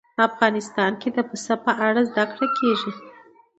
افغانستان کې د پسه په اړه زده کړه کېږي.